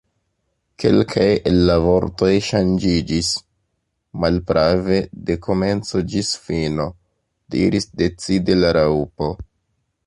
"Kelkaj el la vortoj ŝanĝiĝis." "Malprave, de komenco ĝis fino," diris decide la Raŭpo.